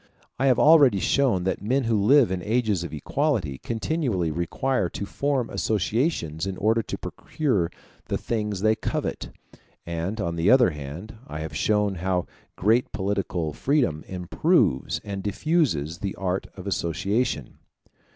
I have already shown that men who live in ages of equality continually require to form associations in order to procure the things they covet; and, on the other hand, I have shown how great political freedom improves and diffuses the art of association.